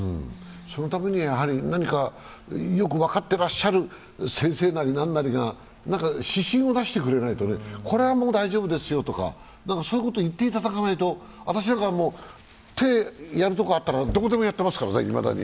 そのためには、何かよく分かっていらっしゃる先生なり何なりが指針を出してくれないと、これはもう大丈夫ですよとかそういうことを言っていただかないと、私などは、手、やるところがあったらどこでもやっていますからね、いまだに。